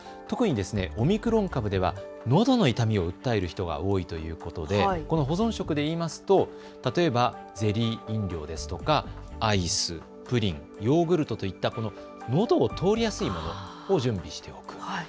特にですねオミクロン株ではのどの痛みを訴える人が多いということでこの保存食でいいますと例えば、ゼリー飲料ですとかアイス、プリン、ヨーグルトといったこののどを通りやすいものを準備しておく。